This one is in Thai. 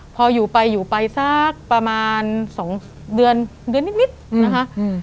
พออยู่ไปอยู่ไปสักประมาณสองเดือนเดือนนิดนะคะ